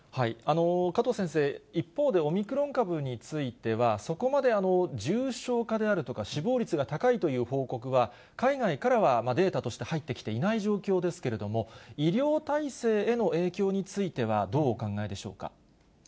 加藤先生、一方でオミクロン株については、そこまで重症化であるとか、死亡率が高いという報告は、海外からはデータとして入ってきていない状況ですけれども、医療体制への影響についてはどうお考えでしょうか。